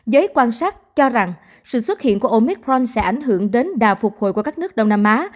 giới quan sát cho rằng sự xuất hiện của omicron sẽ ảnh hưởng đến đà phục hồi của các nước đông nam á